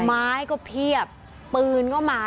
ไม้ก็เพียบปืนก็มา